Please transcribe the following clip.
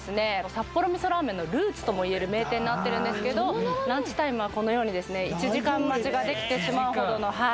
札幌味噌ラーメンのルーツともいえる名店になってるんですけどランチタイムはこのようにですね１時間待ちができてしまうほどのはい